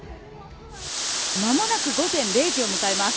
まもなく午前０時を迎えます。